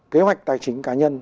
kế hoạch tài chính cá nhân